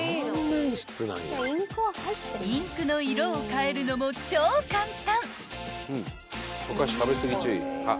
［インクの色をかえるのも超簡単］